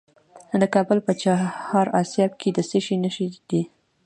د کابل په چهار اسیاب کې د څه شي نښې دي؟